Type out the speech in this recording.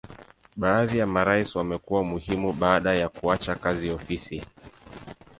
Baadhi ya marais wamekuwa muhimu baada ya kuacha kazi ofisi.